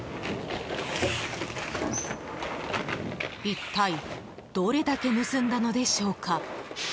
一体どれだけ盗んだのでしょうか。